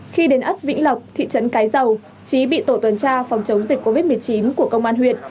khi đến ấp vĩnh lộc thị trấn cái dầu trí bị tổ tuần tra phòng chống dịch covid một mươi chín của công an huyện